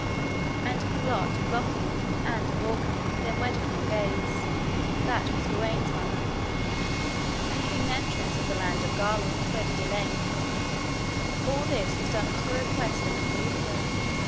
And King Lot of Lothian and of Orkney then wedded Margawse that was Gawaine's mother, and King Nentres of the land of Garlot wedded Elaine. All this was done at the request of King Uther.